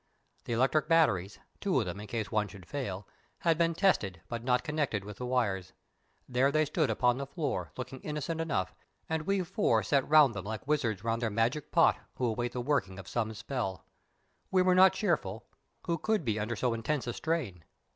The electric batteries—two of them, in case one should fail—had been tested but not connected with the wires. There they stood upon the floor, looking innocent enough, and we four sat round them like wizards round their magic pot, who await the working of some spell. We were not cheerful; who could be under so intense a strain?